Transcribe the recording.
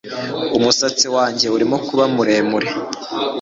Umusatsi wanjye urimo kuba muremure